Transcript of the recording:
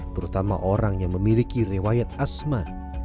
terutama orang yang memiliki rewayat asma